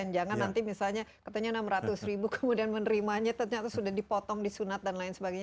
jangan nanti misalnya katanya enam ratus ribu kemudian menerimanya ternyata sudah dipotong disunat dan lain sebagainya